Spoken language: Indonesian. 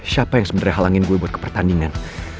siapa yang sebenernya halangin gue buat kepertandingan